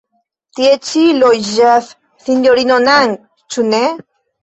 Tie ĉi loĝas Sinjoro Nang, ĉu ne?